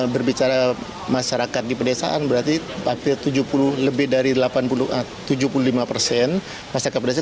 berbicara masyarakat di pedesaan berarti lebih dari tujuh puluh lima persen masyarakat pedesaan